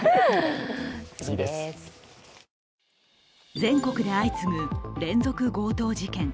全国で相次ぐ連続強盗事件。